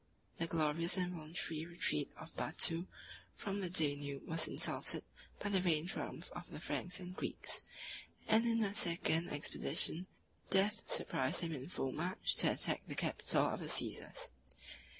The glorious and voluntary retreat of Batou from the Danube was insulted by the vain triumph of the Franks and Greeks; 34 and in a second expedition death surprised him in full march to attack the capital of the Cæsars.